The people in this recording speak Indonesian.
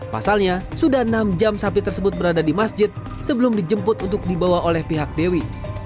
pasalnya sudah enam jam sapi tersebut berada di masjid sebelum dijemput untuk dibawa oleh pihak dewi